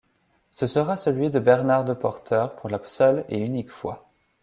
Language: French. Ce sera celui de Bernard Depoorter pour la seule et unique fois.